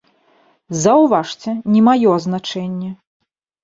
Заўважце, не маё азначэнне!